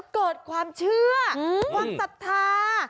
เกิดความเชื่อความศรัทธา